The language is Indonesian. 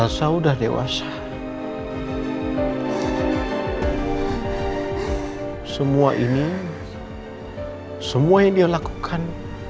enggak ada yang bisa kita lakukan